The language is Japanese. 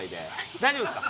大丈夫ですか？